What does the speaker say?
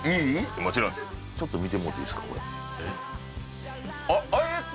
もちろんちょっと見てもうていいですかこれあっえっと